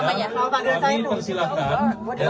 kenapa ganti saya tuh